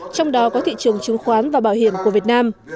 trong đó có thị trường chứng khoán và bảo hiểm của việt nam